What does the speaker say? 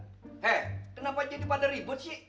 eh kenapa jadi pada ribet sih